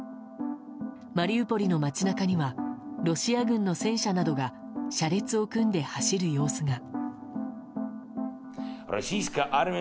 マリウポリの街中にはロシア軍の戦車などが車列を組んで走る様子が。